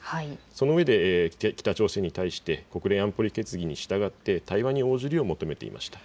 そのうえで北朝鮮に対して国連安保理決議に従って対話に応じるよう求めていました。